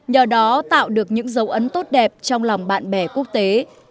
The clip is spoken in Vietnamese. nhờ đó tạo được những dấu ấn tốt đẹp trong lòng bạn bè quốc tế